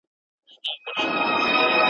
د زمري د مشکلاتو سلاکار وو ,